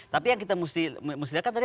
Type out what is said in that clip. tapi yang kita mesti lihat kan tadi